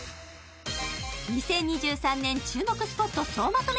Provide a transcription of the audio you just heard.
２０２３年注目スポット総まとめ